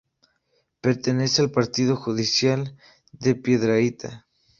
Pertenece al partido judicial de Piedrahíta.